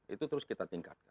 itu terus kita tingkatkan